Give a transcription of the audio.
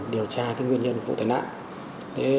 điều tra cái nguyên nhân vụ tai nạn